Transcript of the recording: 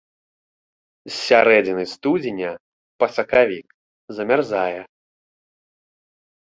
З сярэдзіны студзеня па сакавік замярзае.